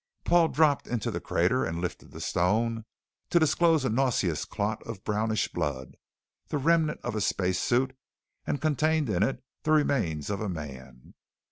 Paul dropped into the crater and lifted the stone, to disclose a nauseous clot of brownish blood, the remnant of space suit, and contained in it, the remains of a man.